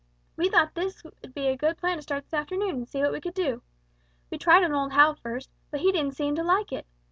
We thought it would be a good plan to start this afternoon and see what we could do. We tried on old Hal first, but he didn't seem to like it.